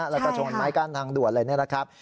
แล้วก็ชนไม้กาลทางด่วนอะไรอย่างนี้แหละครับ